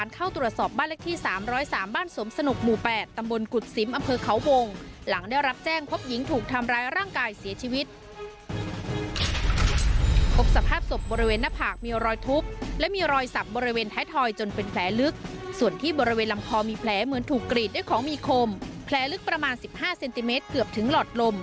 แคลรึกประมาณ๑๕เซนติเมตรเกือบถึงหลอดลม